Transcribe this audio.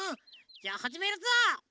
じゃあはじめるぞ。